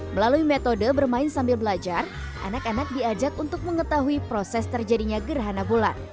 melalui metode bermain sambil belajar anak anak diajak untuk mengetahui proses terjadinya gerhana bulan